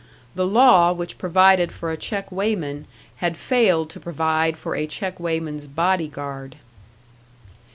The law which provided for a check weighman had failed to provide for a check weighman's body guard!